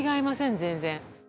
全然。